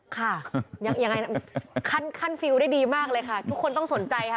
ค่ะยังไงขั้นฟิลล์ได้ดีมากเลยค่ะทุกคนต้องสนใจค่ะ